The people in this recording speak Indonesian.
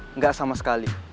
enggak sama sekali